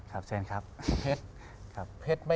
ครับเชนครับ